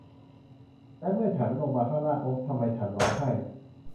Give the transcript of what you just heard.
และเมื่อฉันลงมาข้างล่าง โอ๊ะ ทำไมฉันร้องไห้